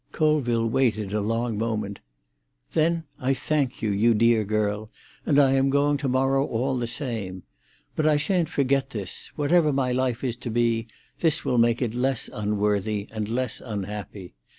Colville waited a long moment. "Then, I thank you, you dear girl, and I am going to morrow, all the same. But I shan't forget this; whatever my life is to be, this will make it less unworthy and less unhappy.